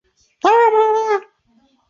担任广东省韶关市技师学院院长。